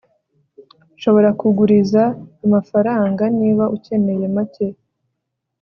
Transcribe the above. nshobora kuguriza amafaranga niba ukeneye make